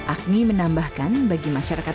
ak mie menambahkan bagi masyarakat